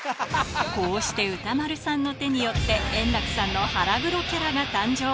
こうして歌丸さんの手によって、円楽さんの腹黒キャラが誕生。